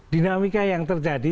dinamika yang terjadi